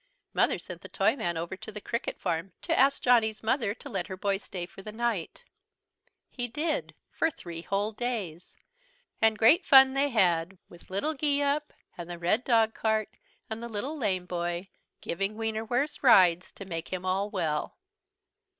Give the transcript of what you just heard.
Mother sent the Toyman over to the Cricket farm to ask Johnny's mother to let her boy stay for the night. He did for three whole days and great fun they had with Little Geeup, and the red dogcart, and the little lame boy, giving Wienerwurst rides to make him all well.